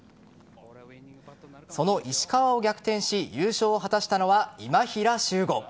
その石川を逆転し優勝を果たしたのは今平周吾。